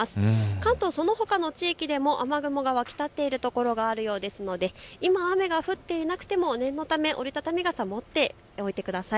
関東そのほかの地域でも雨雲が湧き立っているところがあるようですので今、雨が降っていなくても念のため、折り畳み傘を持っておいてください。